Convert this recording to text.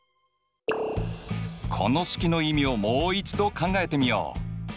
この式の意味をもう一度考えてみよう！